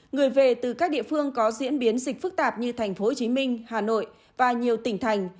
người về từ các địa phương có diễn biến dịch phức tạp như tp hcm hà nội và nhiều tỉnh thành